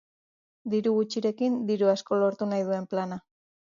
Diru gutxirekin, diru asko lortu nahi duen plana.